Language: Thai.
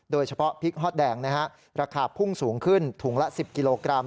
เฉพาะพริกฮอตแดงนะฮะราคาพุ่งสูงขึ้นถุงละ๑๐กิโลกรัม